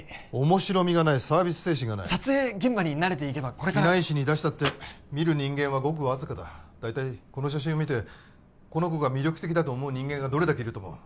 面白みがないサービス精神がない撮影現場に慣れていけばこれから機内誌に出したって見る人間はごくわずかだ大体この写真を見てこの子が魅力的だと思う人間がどれだけいると思う？